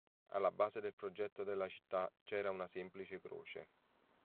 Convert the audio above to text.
Alla base del progetto della città c'era una semplice croce.